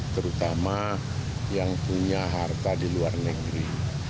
terutama yang punya harta di luar negeri